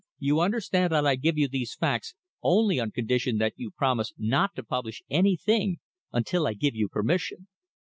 You understand that I give you these facts only on condition that you promise not to publish any thing until I give you permission.